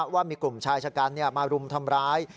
ว่ามีกลุ่มชายชะกันมารุมทำร้าย